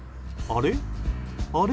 あれ？